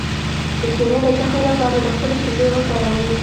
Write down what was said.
د سینې د زخم لپاره د خپلې شیدې وکاروئ